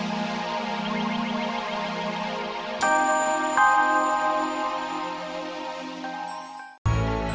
jangan lupa subscribe like komen dan share